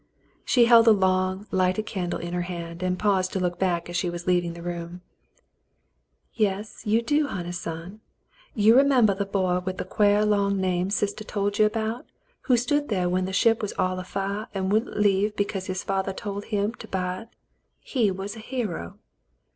She held a long, lighted candle in her hand, and paused to look back as she was leaving the room. "Yes, you do, honey son. You remembah the boy with the quare long name sistah told you about, who stood there when the ship was all afiah and wouldn't leave because his fathah had told him to bide ? He was a hero."